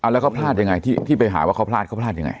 แล้วเขาพลาดยังไงที่ไปหาว่าเขาพลาดเขาพลาดยังไง